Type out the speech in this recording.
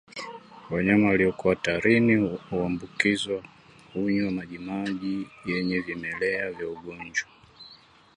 Wanyama waliopo hatarini kuambukizwa hunywa majimaji yenye vimelea vya ugonjwa